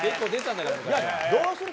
どうする？